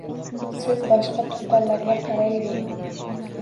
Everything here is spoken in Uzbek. Siz boshqa tuqqanlarga qarayvering